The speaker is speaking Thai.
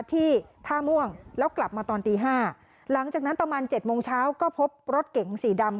ที่ท่าม่วงแล้วกลับมาตอนตีห้าหลังจากนั้นประมาณเจ็ดโมงเช้าก็พบรถเก๋งสีดำ